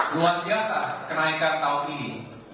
luar biasa kenaikan tahun ini